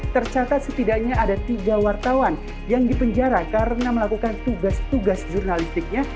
tercatat setidaknya ada tiga wartawan yang dipenjara karena melakukan tugas tugas jurnalistiknya